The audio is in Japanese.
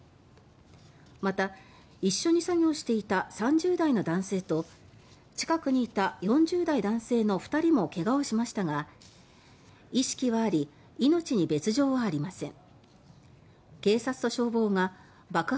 また一緒に作業していた３０代の男性と近くにいた４０代男性の２人もけがをしましたが意識はあり命に別状はありません。